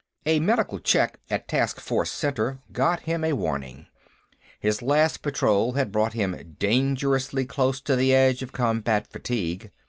A medical check at Task Force Center got him a warning; his last patrol had brought him dangerously close to the edge of combat fatigue.